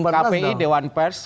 kpi dewan pers